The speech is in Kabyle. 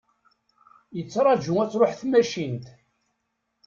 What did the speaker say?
Yettraju ad truḥ tmacint.